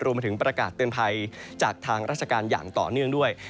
มาถึงประกาศเตือนภัยจากทางราชการอย่างต่อเนื่องด้วย